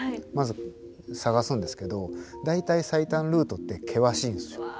まず探すんですけど大体最短ルートって険しいんですよ。